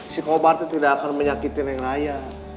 si kobar itu tidak akan menyakitkan neng raya